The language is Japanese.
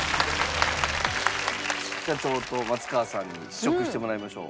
社長と松川さんに試食してもらいましょう。